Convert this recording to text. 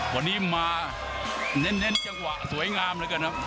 วันนี้มาเน้นจังหวะสวยงามเหลือเกินครับ